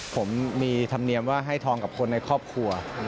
ผมมีธรรมเนียมว่าให้ทองกับคนในครอบครัว